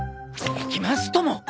行きますとも！